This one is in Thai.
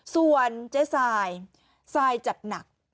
ส่วนเจ๊ไซน์ไซน์จัดหนัก